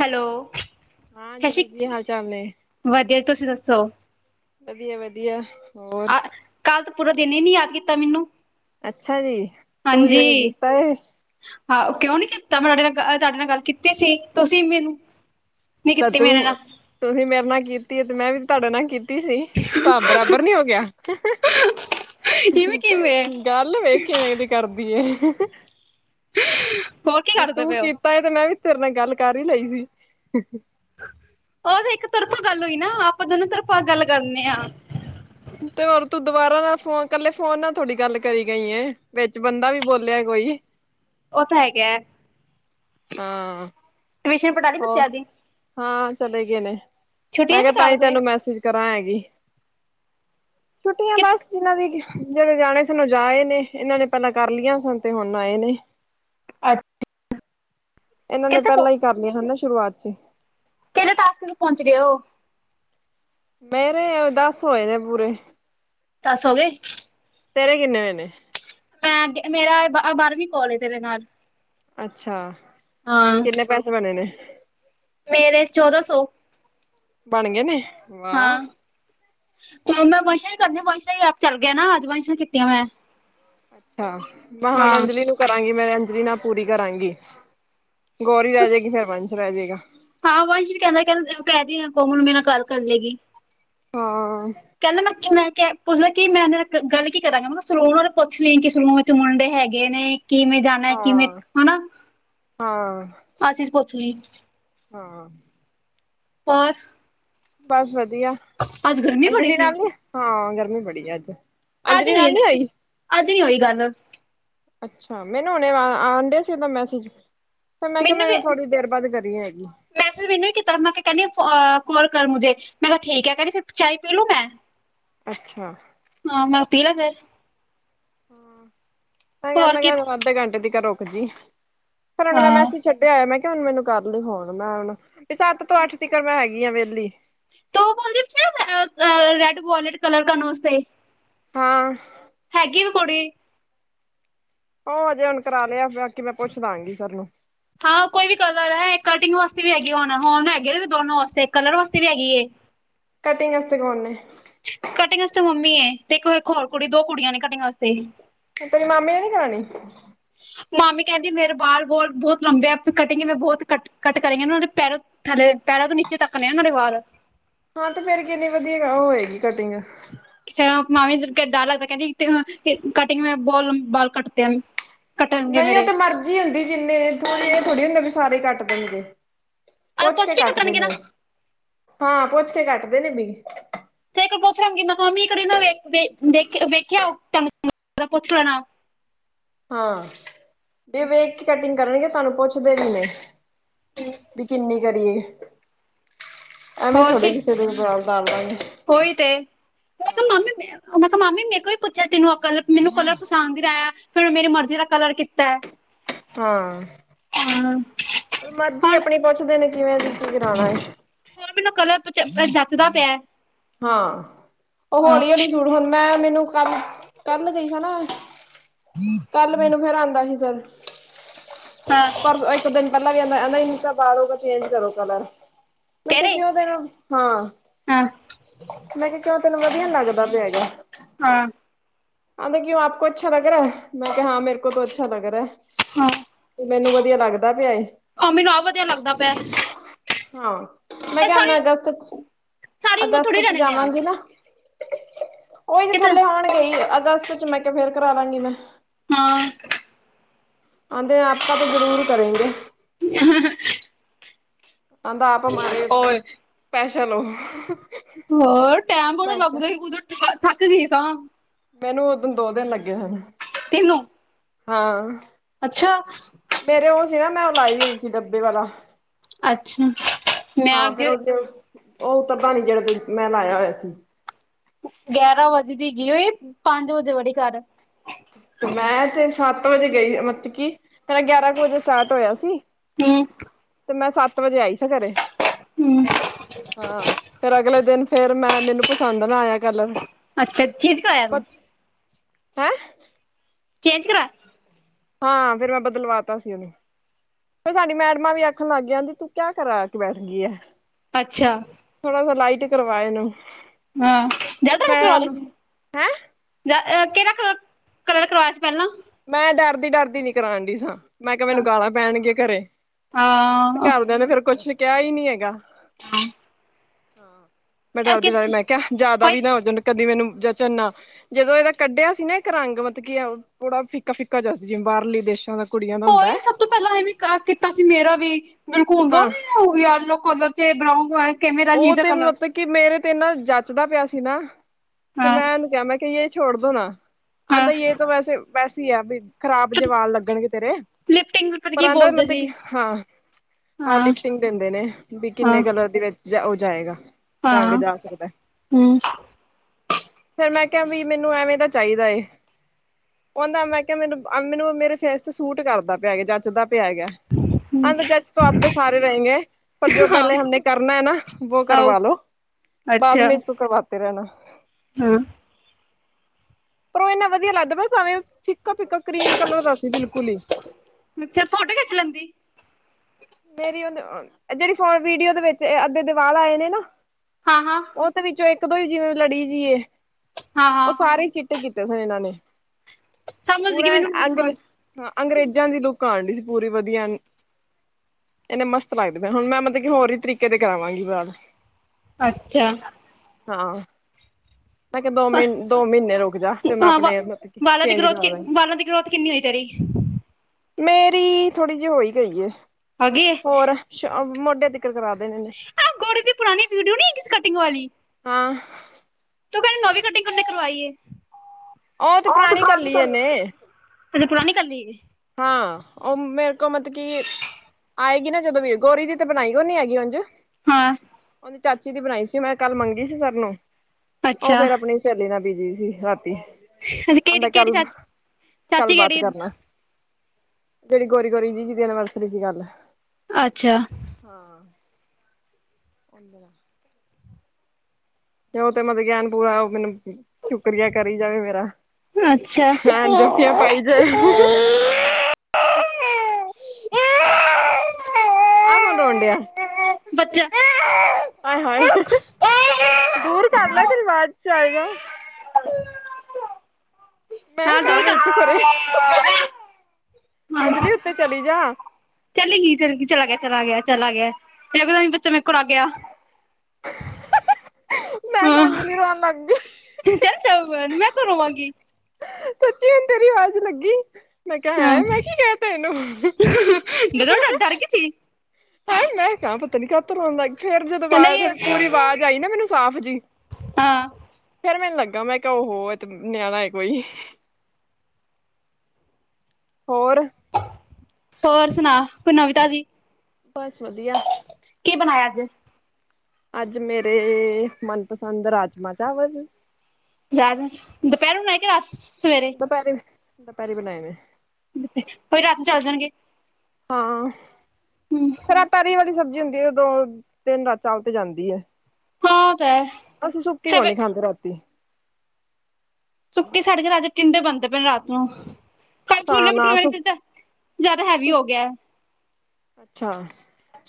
Hello ਹਾਂ ਸਤਿ ਸ਼੍ਰੀ ਜਰੀ ਕੀ ਹਾਲਚਾਲ ਨੇ? ਵਧੀਆ ਤੁਸੀਂ ਦੱਸੋ ਵਧੀਆ, ਵਧੀਆ ਹੋਰ ਆ ਕੱਲ ਤਾ ਪੂਰਾ ਦਿਨ ਹੀ ਨੀ ਯਾਦ ਕੀਤਾ ਮੈਨੂੰ। ਅੱਛਾ ਜੀ, ਤੂੰ ਜਿਵੇਂ ਕੀਤਾ ਏ। ਹਾ ਕਿਓਂ ਨੀ ਕੀਤਾ ਮੈਂ ਤੁੱਡੇ ਨਾਲ ਤਾਡੇ ਨਾਲ ਗੱਲ ਕੀਤੀ ਸੀ ਤੁਸੀਂ ਮੇਨੂੰ ਤਾ ਤੂੰ ਤੁਸੀ ਮੇਰੇ ਨਾਲ ਕੀਤੀ ਏ ਤੇ ਮੈ ਵੀ ਤੁੱਡੇ ਨਾਲ ਕੀਤੀ ਸੀ। ਹਿਸਾਬ ਬਰਾਬਰ ਨੀ ਔ ਗਿਆ ਇਵੇਂ ਕਿਵੇਂ ਗੱਲ ਵੇਖ ਕਿਵੇਂ ਕਰਦੀ ਏ। [inaudible] ਤੂੰ ਪਏ ਹੋ ਕੀਤਾ ਏ ਤੇ ਮੈਂ ਵੀ ਤੇਰੇ ਨਾਲ ਗੱਲ ਕਰ ਈ ਲਈ ਸੀ। ਔਤੇ ਇੱਕ ਤਰਫਾ ਗੱਲ ਹੋਈ ਨਾ। ਆਪਾਂ ਦੋਨਾਂ ਤਰਫਾ ਗੱਲ ਕਰਨੇ ਆਂ। ਤੇ ਔਰ ਤੂੰ ਦੁਵਾਰਾ ਨਾਲ ਫੋਨ ਕੱਲੇ ਫੋਨ ਨਾ ਥੋੜੀ ਗੱਲ ਕਰੀ ਗਈ ਏ। ਵਿੱਚ ਬੰਦਾ ਵੀ ਬੋਲੇਆ ਕੋਈ। ਪਤਾ ਹੈਗਾਐ। ਹਾਂ। ਟਿਊਸ਼ਨ ਪੜਾ ਲਈ ਹੋ ਬੱਚਿਆਂ ਦੀ ਹਾਂ ਚਲੇ ਗਏ ਨੇਮੈਂ ਛੁੱਟੀਆਂ ਕਿਹਾ ਵੀ ਤਾਂ ਹੀ ਕਰਦੇ ਤੈਨੂੰ ਮੈਸੇਜ ਕਰਾਂ ਹੈਗੀ। ਛੁੱਟੀਆਂ ਕਿ ਬਸ ਜਿਨਾਂ ਦੀ ਜਿਹੜੇ ਜਾਣੇ ਸਨ ਓ ਜਾ ਆਏ ਨੇ, ਇਹਨਾਂ ਨੇ ਪਹਿਲਾਂ ਕਰ ਲੀਆਂ, ਸਾਨੂੰ ਤੇ ਹੁਣ ਆਏ ਨੇ। ਅੱਛਾ। ਇਹਨਾਂ ਨੇ ਪਹਿਲਾਂ ਹੀ ਕਰ ਲਈਆਂ ਹਨ ਸ਼ੁਰੂਆਤ ਚ। ਕਿਹੜੇ ਟਾਸਕ ਚ ਪਹੁੰਚ ਗਏ ਓ? ਮੇਰੇ ਦਸ ਹੋਏ ਨੇ ਪੂਰੇ। ਦਸ ਹੋ ਗਏ। ਤੇਰੇ ਕਿੰਨੇ ਹੋਏ ਨੇ? ਮੈਂ ਅ ਮੇਰਾ ਬਾਰਵੀਂ ਕੋਲ ਏ ਤੇਰੇ ਨਾਲ। ਅੱਛਾ। ਹਾਂ। ਕਿੰਨੇ ਪੈਸੇ ਬਣੇ ਨੇ? ਮੇਰੇ ਚੌਦਾਂ ਸੌ। ਬਣ ਗਏ ਨੇ? ਵਾਹ। ਹਾਂ, ਤੇ ਮੈਂ ਵੰਸ਼ਾਂ ਹੀ ਕਰਨੀਆਂ, ਵਇਸ਼ਾ ਹੀ ਆਪ ਚੱਲ ਗਿਆ ਨਾ, ਅੱਜ ਵੰਸ਼ਾਂ ਕੀਤੀਆਂ ਮੈਂ। ਅੱਛਾ, ਮੈਂ ਹੁਣ ਹਾਂ ਅੰਜਲੀ ਨੂੰ ਕਰਾਂਗੀ, ਮੈਂ ਅੰਜਲੀ ਨਾਲ ਪੂਰੀ ਕਰਾਂਗੀ। ਗੋਰੀ ਰਹਿ ਜਾਏਗੀ, ਫਿਰ ਵੰਸ਼ ਰਹਿ ਜੇਗਾ। ਹਾਂ ਵੰਸ਼ ਵੀ ਕਹਿੰਦਾ ਕਹਿੰਦੇ ਕਹਿ ਦੀ ਕੋਮਲ ਨੂੰ ਮੇਰੇ ਨਾਲ ਗੱਲ ਕਰ ਲਏਗੀ। ਹਾਂ। ਕਹਿਿੰਦਾ ਮੈਂ ਮੈਂ ਕਿਹਾ ਪੁੱਛ ਲ ਕਿ ਮੈਂ ਕਹਿੰਦਾ ਮੈਂ ਮੈਂ ਕਿਆ ਪੁੱਛਦਾ ਕਿ ਮੈਂ ਇਹਨਾ ਗੱਲ ਕੀ ਕਰਾਂਗਾ, ਮੈਂ ਕਿਆ ਸਲੂਨ ਬਾਰੇ ਪੁੱਛ ਲਈ ਕਿ ਸਲੂਨ ਵਿੱਚ ਮੁੰਡੇ ਹੈਗੇ ਨੇ। ਕਿਵੇਂ ਜਾਣਾ, ਕਿਵੇਂ ਹਾਂ। ਹਨਾ, ਹਾਂ ਅਆ ਚੀਜ਼ ਪੁੱਛ ਲਈ। ਹਾਂ। ਹੋਰ? ਬਸ ਵਧੀਆ, ਅੱਜ ਗਰਮੀ ਬੜੀ ਅੰਜਲੀ ਸੀ ਨਾਲ ਨੀ, ਹਾਂ ਗਰਮੀ ਬੜੀ ਅੱਜ। ਅੰਜਲੀ ਨਾਲ ਨਹੀਂ ਹੋਈ? ਅੱਜ ਨਹੀਂ ਹੋਈ ਗੱਲ ਅੱਛਾ, ਮੈਨੂੰ ਹੁਣੇ ਆਣ ਡਿਆ ਸੀ ਓਦਾ ਮੈਸਜ਼। ਫਿਰ ਮੈਂ ਕਿਆ ਮੈਨੂੰ ਥੋੜ੍ਹੀ ਦੇਰ ਬਾਅਦ ਕਰੀ ਹੈਗੀ। ਮੈਸੇਜ ਵੀ ਨਹੀਂ ਕੀਤਾ, ਮੈਂ ਕਹਿਣੀ ਅ ਕੋਲ ਕਰ ਮੁਝੇ। ਮੈਂ ਕਿਹਾ ਠੀਕ ਐ, ਕਹਿੰਦੀ ਫਿਰ ਚਾਏ ਪੀ ਲੂ ਮੈਂ। ਅੱਛਾ। ਹਾਂ ਮੈਂ ਪੀ ਲਾ ਫੇਰ। ਹਾਂ, ਮੈਂ ਫਿਰ ਕਿਆ ਹੋਰ ਮੈਂ ਕੀ ਕਿਆ ਅੱਧੇ ਘੰਟੇ ਤੀਕਾਂ ਰੁਕ ਜਈ, ਫਿਰ ਉਹਨੂੰ ਮੈਂ ਹਾਂ ਮੈਂਸਜ ਛੱ ਤੇ ਆਇਆ ਮੈਂ ਕਿਆ ਹੁਣ ਮੈਨੂੰ ਕਰ ਲਈ ਫ਼ੋਨ, ਮੈਂ ਹੁਣ ਵੀ ਸੱਤ ਤੋਂ ਅੱਠ ਤੀਕਰ ਮੈਂ ਹੈਗੀ ਆ ਵਿਹਲੀ। ਤੋ ਉਹ ਬੋਲਦੀ ਆ ਰੈਡ ਵੋਲੇਟ ਕਲਰ ਕਰਨ ਵਾਸਤੇ। ਹਾਂ। ਹੈਗੀ ਵੀ ਕੁੜੀ। ਉਹ ਹਜੇ ਹੁਣ ਕਰਾ ਲਿਆ, ਬਾਕੀ ਮੈਂ ਪੁੱਛ ਦਾਂਗੀ ਸਰ ਨੂੰ। ਹਾਂ ਕੋਈ ਵੀ ਕਲਰ ਐ, ਕਟਿੰਗ ਵਾਸਤੇ ਵੀ ਹੈਗੀ ਹੁਣ, ਹੁਣ ਹੈਗੇ ਦੋਨੋ ਵਾਸਤੇ, ਕਲਰ ਵਾਸਤੇ ਵੀ ਹੈਗੀ ਏ। ਕਟਿੰਗ ਵਾਸਤੇ ਕੋਣ ਨੇ? ਕਟਿੰਗ ਵਾਸਤੇ ਮੰਮੀ ਏ, ਤੇ ਇੱਕ ਹੋਰ ਕੁੜੀ ਦੋ ਕੁੜੀਆਂ ਨੇ ਕਟਿੰਗ ਵਾਸਤੇ। ਤੇ ਤੇਰੀ ਮਾਮੀ ਨੇ ਨੀ ਕਰਾਣੀ? ਮਾਮੀ ਕਹਿੰਦੀ ਮੇਰੇ ਬਾਲ ਬਹੁ ਬਹੁਤ ਲੰਬੇ ਆ, ਆਪੇ ਕਟਿੰਗ ਮੈਂ ਬਹੁਤ ਕੱਟ ਕਟ ਕਰੇਗੇ ਨਾ ਉਹਦੇ ਪੈਰ ਥੱਲੇ ਪੈਰਾਂ ਤੋਂ ਨੀਚੇ ਤੱਕ ਨੇ ਉਹਨਾਂ ਦੇ ਵਾਲ। ਹਾਂ ਤੇ ਫੇਰ ਕਿੰਨੀ ਵਧੀਆ ਉਹ ਹੋਏਗੀ ਕਟਿੰਗ। ਫੇਰ ਓ ਮਾਮੀ ਡਰ ਲੱਗਦਾ, ਕਹਿੰਦੀ ਕਟਿੰਗ ਮੈਂ ਬਹੁ ਲੰ ਬਾਲ ਕੱਟਤੇ ਮੇ ਨਹੀਂ ਉਹ ਤਾਂ ਮਰਜ਼ੀ ਹੁੰਦੀ ਜਿੰਨੇ ਥੋੜੇ ਏ ਥੋੜ੍ਹੀ ਹੁੰਦੇ ਵੀ ਸਾਰੇ ਕੱਟ ਦਣਗੇ। ਅਰੇ ਪੁੱਛ ਕੇ ਕੱਟ ਕੱਟਣਗੇ ਦਿਨੇ ਨਾ ਆ, ਹਾਂ ਪੁੱਛ ਕੇ ਕੱਟਦੇ ਦਿਨੇ ਬੀ ਤੇ ਪੁੱਛ ਲਾਂਗੇ ਮੈਂ ਮੰਮੀ ਨਾ ਵਖ ਵੇਖਿਆ ਉਹਨੂੰ ਪੁੱਛ ਲੈਣਾ। ਹਾਂ ਵੀ ਵੇਖ ਕੇ ਕਟਿੰਗ ਕਰਨਗੇ ਤੁਹਾਨੂੰ ਪੁੱਛਦੇ ਵੀ ਨੇ ਵੀ ਕਿੰਨੀ ਕਰੀਏ ਐਵੇਂ ਥੋੜੇ ਕਿਸੇ ਦੇ ਜੋਬ ਕਰ ਲਾਂਗੇ ਓਈ ਤੇ। ਹਾਂ। ਓ ਮੈਂ ਕੈ ਮਾਮੀ ਮੇਰੇ ਕੋਲ ਵੀ ਪੁੱਛਿਆ ਤਨੂੰ ਆ ਕਲਰ ਮੈਨੂੰ ਕਲਰ ਪਸੰਦ ਆ ਗਿਆ, ਫੇਰ ਓ ਮੇਰੀ ਮਰਜ਼ੀ ਦਾ ਕਲਰ ਕੀਤਾ ਐ। [inaudible] ਹਾਂ। ਅਨ ਮਰਜ਼ ਆਪਣੀ ਪੁੱਛਦੇ ਨੇ। ਕਿਵੇਂ ਦੀ ਕੀ ਕਰਾਉਣਾ ਹੈ ਹੋਰ ਮੈਨੂੰ ਕਲਰ ਪਚਅ ਐ ਜੱਚਦਾ ਪਿਐ। ਹਾਂ, ਓਹ ਹੌਲੀ-ਹੌਲੀ ਸੂਟ ਹੁਣ ਮੈਂ ਮੈਨੂੰ ਕੱਲ ਗਈ ਸਾ ਨਾ [inaudible] ਕੱਲ ਮੈਨੂੰ ਫੇਰ ਆਂਦਾ ਸੀ ਸਰ ਹਾਂ ਪਰ ਇਕ ਦਿਨ ਮਤਲਬ ਵੀ ਐੰਦਾ ਐੰਦਾ ਇਨਕਾ ਬਾਲੋ ਕਾ ਚੇਂਜ ਕਰੋ ਕਲਰ। ਮੈਂ ਕਿਆ ਤੇਰੇ ਕਿਉਂ ਤੈਨੂੰ ਹਾਂ। ਹਾਂ ਮੈਂ ਕਿਆ ਕਿਉਂ ਤੈਨੂੰ ਵਧੀਆ ਨੀ ਲੱਗਦਾ ਪਿਆ ਹੈਗਾ। ਹਾਂ। ਆਂਦੈ ਕਿਉਂ ਆਪਕੋ ਅੱਛਾ ਲਗ ਰਹਾ ਹੈ? ਮੈਂ ਕਿਆ ਹਾਂ ਮੇਰੇ ਕੋੋ ਤੋ ਅੱਛਾ ਲਗ ਰਹਾ ਰੈ। ਤੇ ਮੈਨੂੰ ਵਧੀਆ ਲੱਗਦਾ ਪਿਆ ਏ। ਆਹ ਮੈਨੂੰ ਆਪ ਵਧੀਆ ਲੱਗਦਾ ਪਿਐ। ਹਾਂ, ਮੈਂ ਕਿਆ ਹੁਣ ਮੈਂ ਅਗਸਤ ਏਚ ਸਾਰੀ ਉਮਰ ਅਗਸਤ ਥੋੜੀ ਏਚ ਰਹਿਣੇ ਨੇ ਆ ਜਾਵਾਂਗੀ ਨਾ ਕੋਈ ਨੀ ਕਿਤੇ ਥੱਲੇ ਹੋਣਗੇ ਈ ਅਗਸਤ ਚ ਮੈਂ ਕਿਆ ਫੇਰ ਕਰਾ ਲਾਂਗੀ ਮੈਂ। ਹਾਂ। ਆਂਦੇ ਆਪਾਂ ਤੋ ਜ਼ਰੂਰ ਕਰੇਂਗੇ। [unintelligible] ਆਂਦਾ ਆਪ ਹਮਾਰੇ ਬੀ ਓਏ ਸਪੈਸ਼ਲ ਔ। ਹੋਰ ਟੈਮ ਬੜਾ ਲੱਗਦਾ ਈ, ਉਦੋਂ ਥ ਥੱਕ ਗੀ ਸਾਂ। ਮੈਨੂੰ ਓਦਨ ਦੋ ਦਿਨ ਲੱਗੇ ਸਨ। ਤੇਨੂੰ ਹਾਂ। ਅੱਛਾ। ਮੇਰੇ ਓਹ ਸੀ ਨਾ ਮੈਂ ਓਹ ਲਾਈ ਹੋਈ ਸੀ ਡੱਬੇ ਵਾਲਾ। ਅੱਛਾ ਮੈਂ ਹਾਂ, ਫੇਰ ਓਹ ਅੱਗੇ ਜੋ ਓਹ ਉਤਰਦਾ ਨੀ ਜੇੜਾ ਤ ਮੈਂ ਲਾਇਆ ਹੋਇਆ ਸੀ। ਗਿਆਰਾਂ ਵਜੇ ਦੀ ਗਈ ਹੋਈ ਪੰਜ ਵਜੇ ਵੜੀ ਘਰ। ਮੈਂ ਤੇ ਸੱਤ ਵਜੇ ਗਈ ਮਤਲਬ ਕੀ ਤੇਰਾ ਗਿਆਰਾਂ ਕੁ ਵਜੇ ਸਟਾਰਟ ਹੋਇਆ ਸੀ। ਹੂੰ। ਤੇ ਮੈਂ ਸੱਤ ਵਜੇ ਆਈ ਸਾਂ ਘਰੇ। ਹੂੰ। ਹਾਂ, ਫਿਰ ਅਗਲੇ ਦਿਨ ਫੇਰ ਮੈਂ ਮੈਨੂੰ ਪਸੰਦ ਨਾ ਆਇਆ ਕਲਰ। ਅੱਛਾ ਚੇਜ ਕਰਾਇਆ ਤੂੰ। ਹੈਂ। ਚੇਂਜ ਕਰਾਇਆ ਹਾਂ, ਫੇਰ ਮੈਂ ਬਦਲਵਾਤਾ ਸੀ ਓਹਨੂੰ। ਫਿਰ ਸਾਡੀਆਂ ਮੈਡਮਾ ਵੀ ਆਖਣ ਲੱਗ ਗਇਆ। ਆਂਦੀ ਤੂੰ ਕਿਆ ਕਰਵਾ ਕੇ ਬੈਠ ਗੀ ਐ। ਅੱਛਾ। ਥੋੜਾ ਸਾ ਲਾਈਟ ਕਰਵਾ ਏਨੂੰ। ਹਾਂ। ਜੈਦਾ ਡਾਰਕ ਕਰਾ ਲੇਸੀ? ਹੈਂ ਜਾ ਅ ਕੇਰਾ ਕਲਰ- ਕਲਰ ਕਰਵਾਇਆ ਸੀ ਪੈਲਾਂ? ਮੈਂ ਡੱਰਦੀ-ਡੱਰਦੀ ਨੀ ਕਰਾਨਡੀ ਸਾਂ। ਮੈਂ ਕਿਆ ਮੈਨੂੰ ਗਾਲਾ ਪੈਣਗੀਆ ਘਰੇ। ਤੇ ਹਾਂ ਘਰਦਿਆਂ ਨੇ ਫੇਰ ਕੁਛ ਕਿਆ ਹੀ ਨੀ ਹੈਗਾ। ਹਾਂ ਹਾਂ। ਮੈਂ ਡਰਦੀ -ਡਰਦੀ ਮੈਂ ਕਿਹਾ ਜਿਆਦਾ ਹੋਈ ਵੀ ਨਾ ਹੋ ਜਾਣ। ਕਦੀ ਮੈਨੂੰ ਜਚਣ ਨਾਂ। ਜਦੋਂ ਇਹਦਾ ਕੱਢਿਆ ਸੀ ਨਾ ਇੱਕ ਰੰਗ। ਮਤਲਬ ਆ ਬੋੜ ਫਿੱਕਾ -ਫਿੱਕਾ ਜਿਹਾ ਸੀ। ਜਿਵੇ ਬਾਹਰਲੀ ਦੇਸ਼ਾਂ ਦਾ ਕੁੜੀਆਂ ਦਾ ਭਏ ਹੁੰਦਾ ਹੈ। ਸਭ ਤੋਂ ਪਹਿਲਾਂ ਇਹਵੇਂ ਕੀਤਾ ਸੀ ਮੇਰਾ ਵੀ। ਬਿਲਕੁਲ ਹੁੰਦਾ ਹਾਂ ਨਹੀਂ ਓ ਯੈਲੋ ਕਲਰ ਤੇ ਬਰਾਊਨ ਏ ਉਹ ਤੇ ਮਤਲਬ ਕਿ ਮੇਰੇ ਤੇ ਇਨਾਂ ਜੱਚਦਾ ਪਿਆ ਸੀ ਨਾ। ਤੇ ਹਾਂ ਮੈਂ ਉਹਨੂੰ ਕਿਹਾ ਮੈਂ ਕਿ ਯੇ ਛੋੜ ਦੋ ਨਾ। ਹਾਂ ਆਹਦਾ ਯੇ ਤੋ ਵੈਸੇ -ਵੈਸੇ ਆ ਈ ਅਭੀ ਖ਼ਰਾਬ ਜੇ ਵਾਲ ਲੱਗਣਗੇ ਤੇਰੇ ਲਿਪਟਿੰਗ ਪਤਾ ਕੀ ਪਰਾਂਦਾ ਬੋਲਦੇ ਮਤਲਬ ਸੀ ਕਿ ਹਾਂ। ਆਹ ਹਾਂ ਲਿਫਟਿੰਗ ਦਿੰਦੇ ਨੇ। ਬੀ ਹਾਂ ਕਿੰਨੇ ਕਲਰ ਦੀ ਜਾ ਉਹ ਜਾਏਗਾ। ਰੰਗ ਹਾਂ ਜਾ ਸਕਦਾ ਏ। ਹੂੰ ਫੇਰ ਮੈਂ ਕਿਹਾ ਵੀ। ਮੈਨੂੰ ਐਵੇਂ ਦਾ ਚਾਹੀਦਾ ਏ। ਉਹਦਾ ਮੈਂ ਕਿਹਾ ਮੈਨੂੰ। ਮੈਨੂੰ ਮੇਰੇ ਫੇਸ ਤੇ ਸੂਟ ਕਰਦਾ ਪਿਆ। ਜੱਚਦਾ ਪਿਆ ਗਿਆ। ਅੰਧ ਜਜ ਆਪ ਪੇ ਸਾਰੇ ਰਹੇ ਗੇ। ਪਰ ਜੋ ਹਾਂ ਪਹਿਲੇ ਹਮ ਨੇ ਕਰਨਾ ਹੈ ਨਾ ਵੋ ਆਓ ਕਰਵਾ ਲੋੋ। ਬਾਅਦ ਅੱਛਾ ਮੇ ਇਸ ਕੋ ਕਰਵਾਤੇ ਰਹਿਣਾ। ਹਾਂ। ਪਰ ਉਹ ਇੰਨਾ ਵਧੀਆ ਲੱਗਦਾ। ਭਾਵੇਂ ਫਿੱਕਾ ਫਿੱਕਾ ਕਰੀਮ ਕਲਰ ਦਾ ਸੀ। ਬਿਲਕੁਲ ਹੀ। ਮਿਕਰ ਫੋਟੋ ਖਿੱਚ ਲੈਂਦੀ। ਮੇਰੀ ਉਹਦੇ। ਜਿਹੜੀ ਫੋ ਵੀਡੀਓ ਦੇ ਵਿੱਚ ਅੱਧੇ - ਅੱਧੇ ਵਾਲ ਆਏ ਨੇ ਨਾ ਹਾਂ -ਹਾਂ। ਉਹਤ ਵਿੱਚੋਂ ਇੱਕ- ਦੋ ਹੀ ਜੀਵੇਂ ਲੜੀ ਜੀਏ। ਹਾਂ ਉਹ ਹਾਂ ਸਾਰੇ ਚਿੱਟੇ ਕੀਤੇ ਹੋਏ ਇਹਨਾਂ ਨੇ। ਸਮਝ ਗਈ ਪੂਰਾ ਐਨ। ਮੈਨੂੰ ਹਾਂ ਅੰਗਰੇਜ਼ੀ ਹੀ ਅੰਗਰੇਜ਼ਾਂ ਦੀ ਲੂਕ ਆਉਣ ਡਦੀ ਸੀ। ਪੂਰੀ ਵਧੀਆ ਇੰਨੇ ਮਸਤ ਲੱਗਦੇ ਪਏ। ਹੁਣ ਮੈਂ ਮਤਲਬ ਕਿ ਹੋਰ ਹੀ ਤਰੀਕੇ ਦੇ ਕਰਾਵਾਂਗੀ ਵਾਲ। ਅੱਛਾ। ਹਾਂ ਮੈਂ ਕਿਹਾ ਦੋ ਮਹੀਨੇ -ਦੋ ਮਹੀਨੇ ਰੁਕ ਜਾ ਫੇਰ ਮੈਂ ਹਾਂ ਵਾ ਆਪਣੇ ਮਤਲਬ ਕਿ ਵਾਲਾਂ ਦੀ ਚੇਂਜ ਗਰੋਥ ਕਰ ਦਾਂ ਡੀ। ਵਾਲਾਂ ਦੀ ਗਰੋਥ ਕਿੰਨੀ ਹੋਈ ਤੇਰੀ। ਮੇਰੀ ਥੋੜੀ ਜਿਹੀ ਹੋ ਹੀ ਗਈ ਏ। ਹੈਗੀ ਏ ਹੋਰ ਮੋਢੇ ਤਿਕਰ ਕਰਾ ਦੇਣੇਨੇ। ਆਹ ਗੋਰੀ ਦੀ ਪੁਰਾਣੀ ਵੀਡੀਓ ਨੀ ਹੈਗੀ ਸੀ ਕਟਿੰਗ ਵਾਲੀ ਹਾਂ ਤੂੰ ਕਹਿੰਦਾ। ਨਵੀਂ ਕਟਿੰਗ ਕਿੰਨੇ ਕਰਵਾਈ ਏ। ਉਹ ਤੇ ਪੁਰਾਣੀ ਕਰ ਲਈ ਇਹਨੇ। ਤੇ ਪੁਰਾਣੀ ਕਰ ਲਈ ਹੈਗੀ ਏ। ਹਾਂ। ਉਹ ਮੇਰੇ ਕੋਲ ਮਤਲਬ ਕੀ ਆਏਗੀ ਨਾ ਜਦੋਂ ਵੀ ਗੋਰੀ ਦੀ। ਤੇ ਬਣਾਈ ਕੋਈ ਨੀ ਹੈਗੀ। ਉੰਝ ਹਾਂ। ਉਹਦੀ ਚਾਚੀ ਦੀ ਬਣਾਈ ਸੀ। ਮੈਂ ਕੱਲ ਮੰਗੀ ਸੀ ਸਰ ਨੂੰ। ਉਹ ਅੱਛਾ ਫੇਰ ਆਪਣੀ ਸਹੇਲੀ ਨਾ ਬਿਜੀ ਸੀ। ਰਾਤੀ ਅੱਛਾ ਕਿਹੜੀ ਕਹਿਦਾ ਕਿਹੜੀ ਕੱਲ ਚਾਚੀ -ਕੱਲ ਚਾਚੀ ਬਾਤ ਕਿਹੜੀ ਕਰਨਾ। ਜਿਹੜੀ ਗੋਰੀ -ਗੋਰੀ ਜੀ ਸੀ। ਜਿਦੀ ਐਨਵਰਸਰੀ ਸੀ ਕੱਲ। ਅੱਛਾ ਹਾਂ ਅਦਰਕ [unintelligible] ਉਹ ਤੇ ਮਤ ਗਿਆਨ ਪੂਰਾ ਮੈਨੂੰ ਸ਼ੁਕਰੀਆ ਕਰੀ ਜਾਵੇ ਮੇਰਾ ਹਾਂ ਜੱਫੀਆਂ ਪਾਈ ਜਾਏ ਆ ਕੌਣ ਰੋਣ ਡਿਆ ਬੱਚਾ ਆਏ ਹਾਏ ਦੂਰ ਕਰ ਲੈ ਤੇਰੀ ਵਾਜ਼ ਚ ਆਏਗਾ ਹੈਲੋ [unintelligible] ਹ ਮੈਂ ਕਿਹਾ ਵਿੱਚ ਖਰੇ ਅੰਜਲੀ [unintelligible] ਉੱਤੇ ਚਲੀ ਜਾ ਚਲੀ ਗੀ ਚੱਲ ਚਲਾ ਗਿਆ ਚਲਾ ਗਿਆ ਚਲਾ ਗਿਆ ਫੇਰ [unintelligible] ਬੱਚਾ ਮੇਰੇ ਕੋਲ ਆ ਗਿਆ ਮੈਂ ਹੀ [inaudible] ਕਿਹਾ ਅੰਜਲੀ ਰੋਣ ਲੱਗ ਗਈ ਹਮ ਚੱਲ ਚਵਰ ਮੈਂ ਕੋ ਰੋਵਾਂਗੀ ਸੱਚੀ ਏ ਤੇਰੀ ਆਵਾਜ਼ ਲੱਗੀ ਮੈਂ ਕਿਹਾ ਹੈਂ ਮੈਂ ਕੀ ਕਹਿ ਤਾ ਇਹਨੂੰ ਹੈ ਮੈਂ ਕਹਾਂ ਪਤਾ ਨੀ ਕਾਤੋ ਰੋਣ ਲਗ ਫੇਰ ਜਦੋਂ ਵਾਜ਼ ਥਣੀ ਪੂਰੀ ਆਵਾਜ਼ ਆਈ ਨਾ ਮੈਨੂੰ ਸਾਫ਼ ਜੀ ਫੇਰ ਮੈਨੂੰ ਲੱਗਾ ਮੈਂ ਕਿਹਾ ਓ ਏ ਤ ਨਿਆਣਾ ਏ ਕੋਈ ਹੋਰ ਹੋਰ ਸੁਣਾ ਕੋਈ ਨਵੀ ਤਾਜੀ ਬਸ ਵਧੀਆ ਕੀ ਬਣਾਇਆ ਅੱਜ ਅੱਜ ਮੇਰੇ ਮਨਪਸੰਦ ਰਾਜਮਾਂ ਚਾਵਲ [unintelligible] ਦੁਪਹਿਰੇ ਦੁਪਹਿਰੇ ਬਣਾਏ ਨੇ ਓਹੀ ਰਾਤੀਂ ਚੱਲ ਜਾਣਗੇ ਹਾਂ ਹੂੰ ਤ ਤਰੀ ਵਾਲੀ ਸਬਜ਼ੀ ਹੁੰਦੀ ਉਦੋ ਦਿਨ ਰਾਤ ਚਲ ਤੇ ਜਾਂਦੀ ਐ ਹਾਂ ਉਹ ਤਾਂ ਹੈ ਅਸੀਂ ਸੁੱਕੀ ਕਿਉਂ ਸਵੇ ਨੀ ਖਾਂਦੇ ਰਾਫਤੀ,,,, [unintelligible] [unintelligible] ਟੀਂਡੇ ਬਣਦੇ ਪਏ ਨੇ ਰਾਤ ਨੂੰ ਕੱਲ ਛੋਲੇ ਹਾਂ ਨਾ ਬੁਟੇਰੇ ਸੁ ਚ੍ਹ ਜਿਆਦਾ ਹੈਵੀ ਸੁ ਹੋ ਗਿਆ ਐ ਅੱਛਾ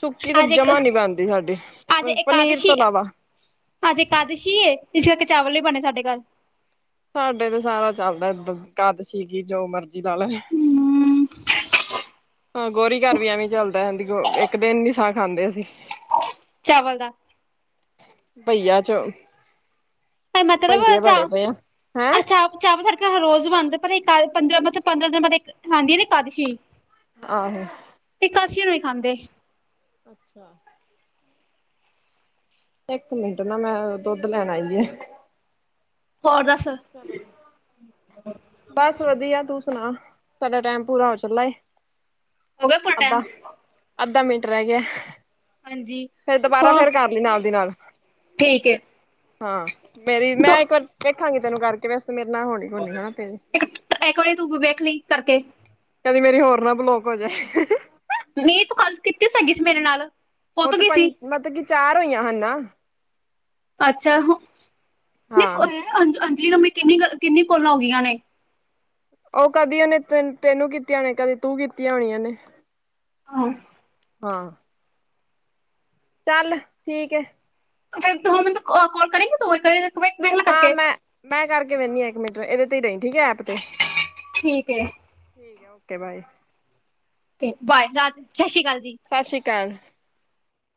ਸੁੱਕੀ ਸਬ ਅੱਜ ਇੱਕ ਜਮਾ ਨੀ ਬਣਦੀ ਸਾਡੇ ਅੱਜ ਪਨੀਰ ਤੋਂ ਇਕਾਦਸ਼ੀ ਅਲਾਵਾ ਅੱਜ ਏਕਾਦਸ਼ੀ ਐ ਇਸ ਕਰਕੇ ਚਾਵਲ ਈ ਬਣੇ ਸਾਡੇ ਘਰ ਸਾਡੇ ਤੇ ਸਾਰਾ ਚੱਲਦਾ ਦ ਕਦ ਸੀਗੀ [unintelligible] ਜੋ ਮਰਜੀ ਲਾਲੇ ਹੂੰ ਹਾਂ ਗੋਰੀ ਘਰ ਵੀ ਐਵੇਂ ਚੱਲਦਾ [unintelligible] ਹਿੰਦੀ ਇੱਕ ਦਿਨ ਨੀ ਸਾਹ ਖਾਂਦੇ ਅਸੀਂ ਚਾਵਲ ਦਾ ਭਈਆ ਚ ਮਤਲਬ ਬਈਏ ਅੱਛਾ ਬਣੇ ਪਏ ਆ ਹੈਂ ਅੱਛਾ ਚਾਹ ਸਾਡੇ ਘ ਰੋਜ਼ ਬਣਦੇ ਪਰ ਇਕ ਪੰਦਰਾਂ ਮਤ ਪੰਦਰਾਂ ਦਿਨ ਮ [unintelligible] ਆਂਦੀ ਨਾ ਏਕਾਦਸ਼ੀ ਆਹੋ ਏਕਾਸ਼ੀ ਨੂੰ ਹੀ ਖਾਂਦੇ ਅੱਛਾ, [inaudible] ਇੱਕ ਮਿੰਟ ਨਾ ਮੈਂ ਦੁੱਧ ਲੈਣ ਆਈਏ ਹੋਰ ਦੱਸ ਚਲੋ ਗ [unintelligible] ਬਸ ਵਧੀਆ, ਤੂੰ ਸੁਣਾ, ਸਾਡਾ ਟੈਮ ਪੂਰਾ ਹੋ ਚਲਾ ਏ, ਹੋ ਗਿਆ ਪੂਰਾ ਅਬਾ ਟਾਈਮ ਅੱਧਾ ਮਿੰਟ, ਰਹਿ ਗਿਆ ਹਾਂਜੀ। ਫੇਰ ਦੁਬਾਰਾ, ਹਾਂ ਫੇਰ ਕਰ ਲਈ ਨਾਲ ਦੀ ਨਾਲ ਠੀਕ ਏ। ਹਾਂ, ਮੇਰੀ ਤੂੰ ਮੈਂ ਇੱਕ ਵਾਰ ਵੇਖਾਂਗੀ ਤੈਨੂੰ ਕਰਕੇ, ਵੈਸੇ ਮੇਰੇ ਨਾ ਹੋਣੀ ਹੋਣੀ ਹਨਾ ਤੇਰੀ ਇੱਕ -ਇੱਕ ਵਾਰੀ ਤੂੰ ਵੇਖ ਲਈ ਕਰਕੇ ਕਦੀ ਮੇਰੀ ਹੋਰ ਨਾ, ਬਲੋਕ ਹੋ ਜਾਏ ਮੀਤ, ਤੂੰ ਕਾਲ ਕੀਤੀ ਸੀਗੀ ਮੇਰੇ ਨਾਲ ਉਹ ਪੁੱਤ ਤੇ ਗਈ ਸੀ ਪੰਜ, ਮਤਲਬ ਕਿ ਚਾਰ ਹੋਈਆਂ ਹਨ ਨਾ ਅੱਛਾ ਹੁ, ਹਾਂ ਨਹੀਂ ਅ ਅੰਜਲੀ ਨ, ਕਿੰਨੀ- ਕਿੰਨੀ ਕੋਲ ਹੋ ਗਈਆਂ ਨੇ ਉਹ ਕਦੀ ਉਹਨੇ ਤੇਂ ਤੈਨੂੰ ਕੀਤੀਆਂ, ਕਦੀ ਤੂੰ ਕੀਤੀਆਂ ਹੋਣੀਆਂ ਨੇ ਹਾਂ [inaudible] ਹਾਂ। ਚੱਲ ਠੀਕ ਏ ਫਿਰ ਦੋ ਮਿੰਟ, ਕੋਲ ਕਰੇਗੀ ਤੂ, ਕੌਲ ਕਰ ਹਾਂ, ਮੈਂ -ਮੈਂ ਕਰਕੇ ਵਹਿੰਨੀ ਹਾਂ, ਇੱਕ ਮਿੰਟ ਇਹਦੇ ਤੇ ਹੀ ਰਹੀ, ਠੀਕ ਹੈ ਐਪ ਤੇ ਠੀਕ ਏ, ਠੀਕ ਐ ਓਕੇ ਬਾਏ। ਬਾਏ ਚਾਂਸ ਸਤਿ ਸ਼੍ਰੀ ਅਕਾਲ ਜੀ। [unintelligible] ਸਸ਼੍ਰੀ ਕਾਲ।